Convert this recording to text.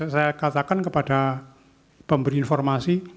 saya katakan kepada pemberi informasi